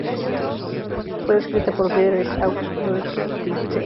Fue descrita por Friedrich August Georg Bitter.